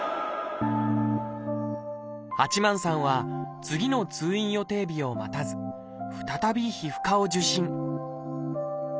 八幡さんは次の通院予定日を待たず再び皮膚科を受診。